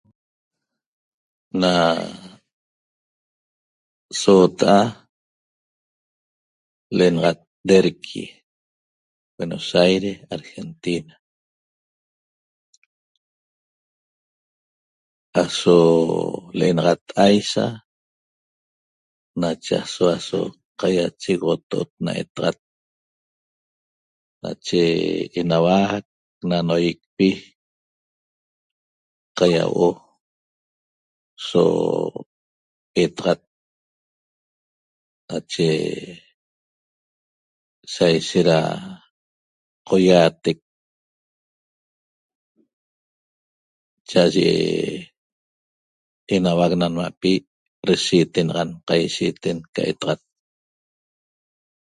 Na soota'a le'enaxat Derqui Buenos Aires Argentina aso le'enaxat Aysa nachaso aso qaiachegoxoto'ot na etaxat nache enauac na noýicpi qaiauo'o so etaxat nache saishet da qoiaatec cha'aye enauac na nma'pi deshiitenaxan qaishiiten ca etaxat